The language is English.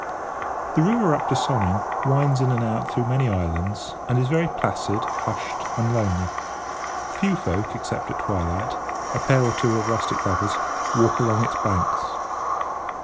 The river up to Sonning winds in and out through many islands, and is very placid, hushed, and lonely. Few folk, except at twilight, a pair or two of rustic lovers, walk along its banks.